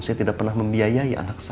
saya tidak pernah membiayai anak saya